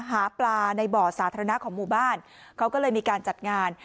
หาปลาในบ่อสาธารณะของหมู่บ้านเขาก็เลยมีการจัดงาน